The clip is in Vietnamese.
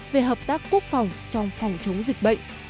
về hợp tác quốc phòng trong phòng chống dịch bệnh